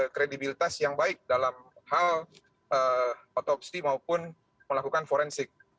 kredibilitas yang baik dalam hal otopsi maupun melakukan forensik